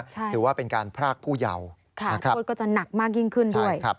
ใช่คือว่าเป็นการพรากผู้เยาว์นะครับใช่ครับทุกคนก็จะหนักมากยิ่งขึ้นด้วย